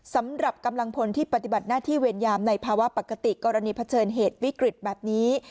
สำหรับกำลังพลที่ปฏิบัติหน้าที่เวรยามในภาวะปกติกรณีเผชิญเหตุวิกฤตแบบนี้